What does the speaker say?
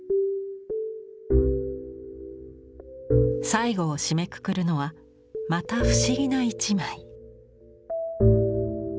最後を締めくくるのはまた不思議な一枚。